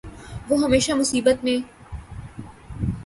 وہ ہمیشہ مصیبت میں